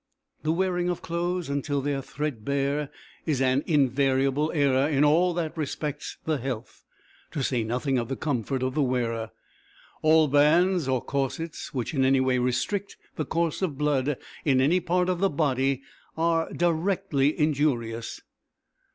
The wearing of clothes until they are threadbare, is an invariable error in all that respects the health, to say nothing of the comfort of the wearer. All bands or corsets which in any way restrict the course of the blood in any part of the body are directly injurious.